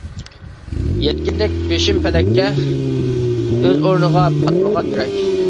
يەتكىنىدەك بېشىم پەلەككە، ئۆز ئورنىغا پاتمىغان يۈرەك.